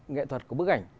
nghệ thuật của bức ảnh